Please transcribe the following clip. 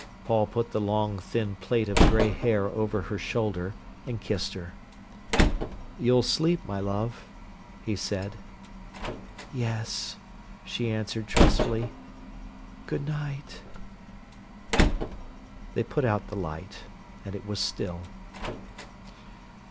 Paul put the long thin plait of grey hair over her shoulder and kissed her. "You'll sleep, my love," he said. "Yes," she answered trustfully. "Good night." They put out the light, and it was still.